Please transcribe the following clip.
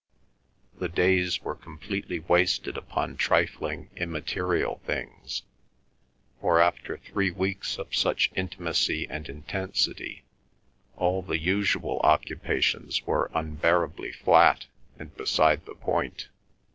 The days were completely wasted upon trifling, immaterial things, for after three weeks of such intimacy and intensity all the usual occupations were unbearably flat and beside the point.